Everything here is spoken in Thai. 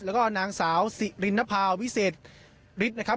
แล้วก็นางสาวสิรินภาวิเศษฤทธิ์นะครับ